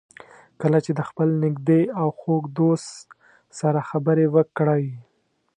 کله چې د خپل نږدې او خوږ دوست سره خبرې وکړئ.